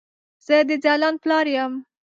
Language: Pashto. زه د ځلاند پلار يم